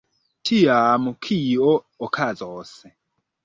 Tiam kio okazos?